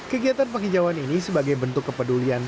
kegiatan penghijauan ini sebagai bentuk kepedulian